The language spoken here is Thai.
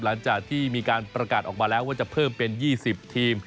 หลังจากที่มีการประกาศออกมาแล้วว่าจะเพิ่มเป็น๒๐ทีม